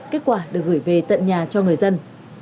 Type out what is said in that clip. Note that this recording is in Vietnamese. kết quả được gửi về tận nhà cho người dân